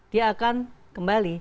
dia akan kembali